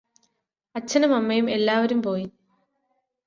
അച്ഛനും അമ്മയും എല്ലാവരും പോയി